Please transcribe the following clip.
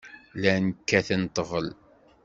Llan kkaten ḍḍbel.